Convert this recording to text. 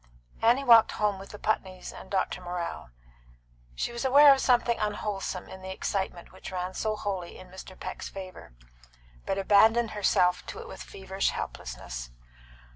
Annie walked home with the Putneys and Dr. Morrell. She was aware of something unwholesome in the excitement which ran so wholly in Mr. Peck's favour, but abandoned herself to it with feverish helplessness.